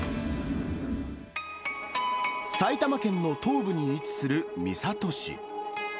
埼玉県の東部に位置する三郷市。